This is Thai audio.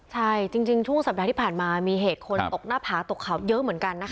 ใช่จริงช่วงสัปดาห์ที่ผ่านมามีเหตุคนตกหน้าผาตกเขาเยอะเหมือนกันนะคะ